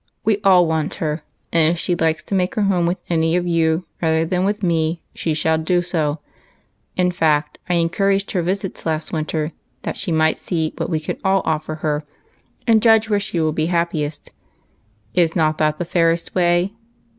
We all want her, and if she likes to make her home with any of you rather than with me, she shall do so. In fact, I encouraged her visits last winter, that she might see what we can all offer her, and judge where she will be happiest. Is not that the fairest way